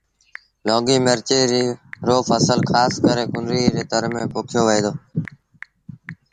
لونگيٚ مرچ رو ڦسل کآس ڪري ڪنريٚ ري تر ميݩ پوکيو وهي دو